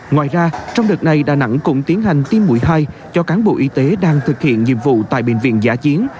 ngoài ra trong đợt này đà nẵng cũng tiến hành tiêm mũi hai cho cán bộ y tế đang thực hiện nhiệm vụ tại bệnh viện giả chiến